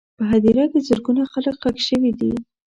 په هدیره کې زرګونه خلک ښخ شوي دي.